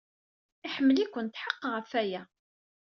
Iḥemmel-iken. Tḥeqqeɣ ɣef waya.